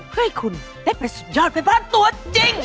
เพื่อให้คุณได้เป็นสุดยอดแม่บ้านตัวจริง